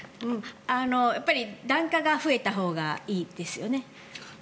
檀家が増えたほうがいいですよね。